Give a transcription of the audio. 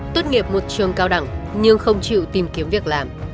tốt nghiệp một trường cao đẳng nhưng không chịu tìm kiếm việc làm